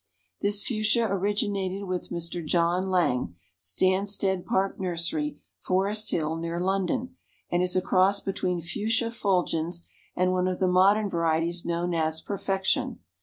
This Fuchsia originated with Mr. John Laing, Stanstead Park Nursery, Forest Hill, near London, and is a cross between Fuchsia Fulgens and one of the modern varieties known as "Perfection."